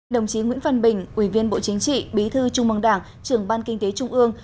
đồng chí nguyễn văn bình ủy viên bộ chính trị bí thư trung mong đảng trưởng ban kinh tế trung ương